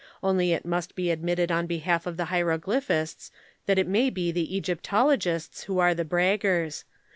Only it must be admitted on behalf of the hieroglyphists that it may be the Egyptologists who are the braggers.